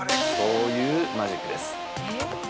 そういうマジックです。